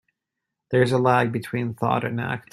There is a lag between thought and act.